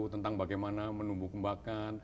tentang bagaimana menumbuh kembangkan